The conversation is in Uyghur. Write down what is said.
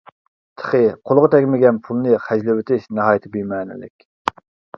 تېخى قولغا تەگمىگەن پۇلنى خەجلىۋېتىش ناھايىتى بىمەنىلىك.